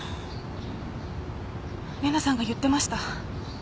玲奈さんが言ってました。